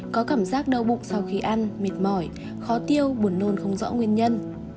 có cảm giác đau bụng sau khi ăn mệt mỏi khó tiêu buồn nôn không rõ nguyên nhân